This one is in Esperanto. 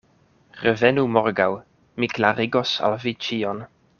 Revenu morgaŭ: mi klarigos al vi ĉion.